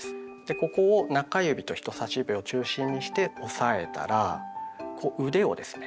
ここを中指と人さし指を中心にして押さえたらこう腕をですね